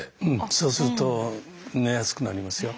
そうすると寝やすくなりますよ。